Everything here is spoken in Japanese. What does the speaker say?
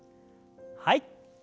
はい。